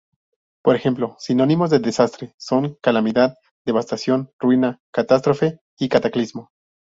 Por ejemplo, sinónimos de "desastre" son "calamidad", "devastación", "ruina", "catástrofe" y "cataclismo".